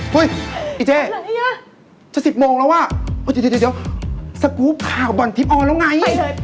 เฮ้ยอีเจ๊เจ๊สิบโมงแล้วอ่ะแม่สาวาย